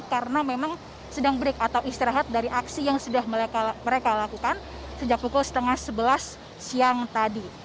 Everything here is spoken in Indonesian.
karena memang sedang break atau istirahat dari aksi yang sudah mereka lakukan sejak pukul setengah sebelas siang tadi